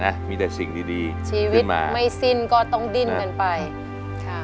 นะมีแต่สิ่งดีดีชีวิตไม่สิ้นก็ต้องดิ้นกันไปค่ะ